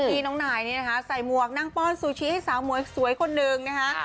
ที่น้องนายนี่นะคะใส่หมวกนั่งป้อนซูชิให้สาวหมวยสวยคนหนึ่งนะคะ